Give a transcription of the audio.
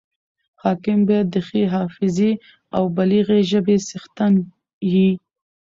حاکم باید د ښې حافظي او بلیغي ژبي څښتن يي.